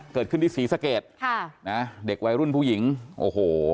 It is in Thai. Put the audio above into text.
เกิดขึ้นที่ศรีสะเกดค่ะนะเด็กวัยรุ่นผู้หญิงโอ้โห